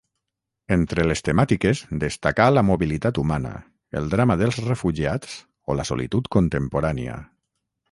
Entre les temàtiques, destacà la mobilitat humana, el drama dels refugiats o la solitud contemporània.